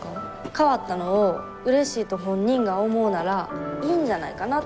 変わったのをうれしいと本人が思うならいいんじゃないかな。